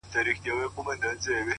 هغه نجلۍ چي ژاړي” هاغه د حوا په ښايست”